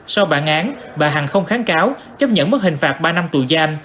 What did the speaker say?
sau bản án bà hằng không kháng cáo chấp nhận mất hình phạt ba năm tù giam